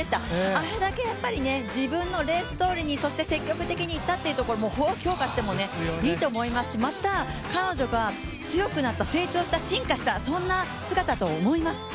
あれだけ、やっぱり自分のレースどおりにそして積極的にいったっていうところ、もっと評価してもいいと思いますしまた、彼女が強くなった、成長した、進化したそんな姿だと思います。